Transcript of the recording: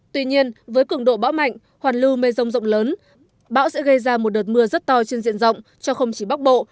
tuy nhiên với cường độ bão mạnh hoàn lưu mây rông rộng lớn bão sẽ gây ra một đợt mưa rất to trên diện rộng cho không chỉ bắc bộ